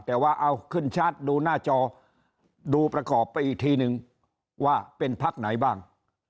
แต่ว่าเอาขึ้นชาร์จดูหน้าจอดูประกอบไปอีกทีนึงว่าเป็นพักไหนบ้าง